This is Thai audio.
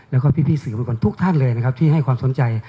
แล้วก็พี่สื่อมูลก่อนทุกท่านเลยที่ให้ความสนใจ